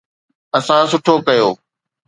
اسان سٺو ڪيو.